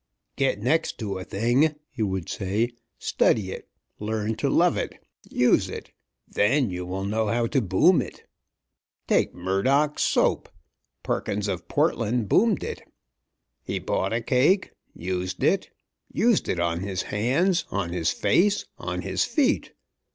"Get next to a thing," he would say. "Study it, learn to love it, use it then you will know how to boom it. Take Murdock's Soap. Perkins of Portland boomed it. He bought a cake. Used it. Used it on his hands, on his face, on his feet.